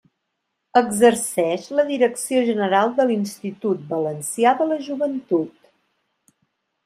Exerceix la direcció general de l'Institut Valencià de la Joventut.